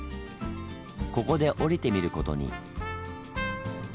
ここで降りてみる事に。